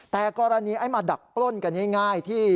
แต่กรณีไอ้มาดักปล้นกันง่ายที่